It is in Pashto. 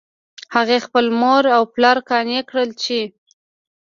هغې خپل مور او پلار قانع کړل چې